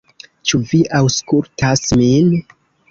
Ĉu vi aŭskultas min?